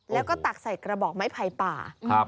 แล้วก็ตักใส่กระบอกไม้ไผ่ป่า